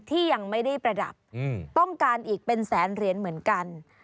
ที่ยังไม่ได้ประดับต้องการอีกเป็นแสนเหรียญเหมือนกัน